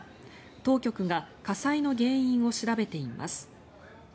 当局が火災の原因を調べています。